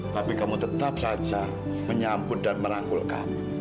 tapi kamu tetap saja menyambut dan merangkul kami